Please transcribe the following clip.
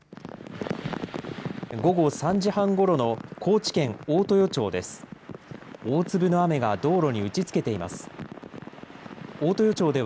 午後３時半ごろの高知県大豊町です。